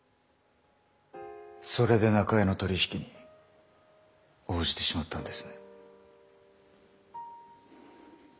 それで中江の取り引きに応じてしまったんですね？